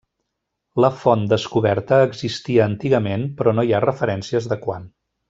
La font descoberta existia antigament però no hi ha referències de quan.